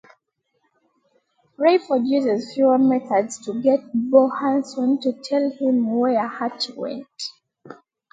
Rayford uses cruel methods to get Bo Hanson to tell him where Hattie went.